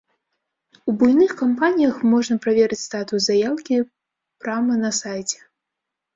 У буйных кампаніях можна праверыць статус заяўкі прама на сайце.